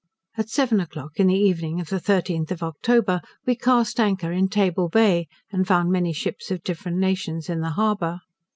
At seven o'clock in the evening of the 13th of October, we cast anchor in Table Bay, and found many ships of different nations in the harbour.